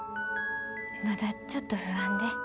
まだちょっと不安で。